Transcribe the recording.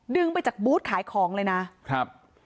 ดึงไปจากบูธขายของเลยนะครับ